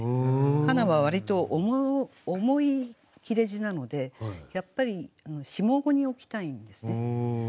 「かな」は割と重い切字なのでやっぱり下五に置きたいんですね。